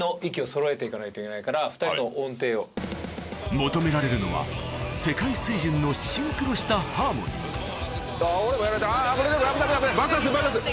求められるのは世界水準のシンクロしたハーモニーあっ俺もやられた危ない危ない爆発する。